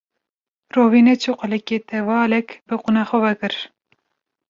Rovî neçû qulikê tevalek bi qûna xwe ve kir